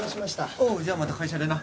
おうじゃあまた会社でな。